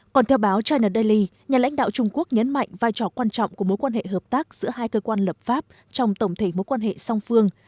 còn theo báo china daily nhà lãnh đạo trung quốc nhấn mạnh vai trò quan trọng của mối quan hệ hợp tác giữa hai cơ quan lập pháp trong tổng thể mối quan hệ song phương